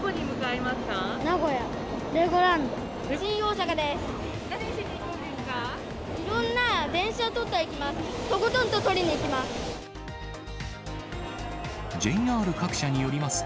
いろんな電車撮ったりします。